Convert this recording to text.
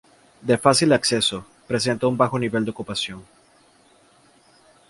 De fácil acceso, presenta un bajo nivel de ocupación.